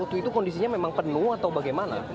kalau kondisinya memang penuh atau bagaimana